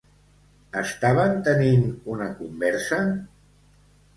Estaven tenint una conversa?